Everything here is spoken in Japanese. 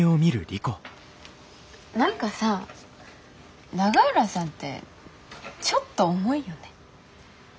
何かさ永浦さんってちょっと重いよね。